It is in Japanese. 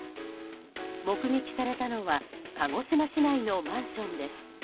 目撃されたのは鹿児島市内のマンションです。